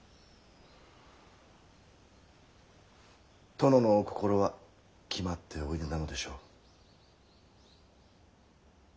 殿のお心は決まっておいでなのでしょう？